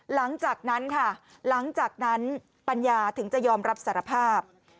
หลังจากนั้นค่ะหลังจากนั้นปัญญาถึงจะยอมรับสารภาพ